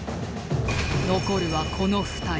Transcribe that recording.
残るはこの２人